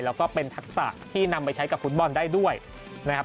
แล้วก็เป็นทักษะที่นำไปใช้กับฟุตบอลได้ด้วยนะครับ